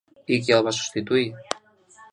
I qui el va substituir?